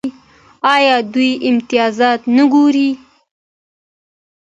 آیا دوی امتیازات نه ورکوي؟